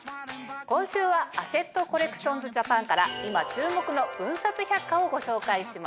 今週はアシェット・コレクションズ・ジャパンから今注目の分冊百科をご紹介します。